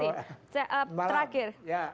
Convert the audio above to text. terakhir ya kemudian pak udryan